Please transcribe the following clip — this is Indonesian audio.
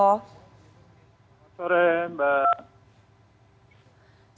selamat sore mbak